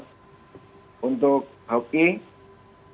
sudai sedihmu untuk pemerintah mudah mudahan ke depan ada jalan terbaik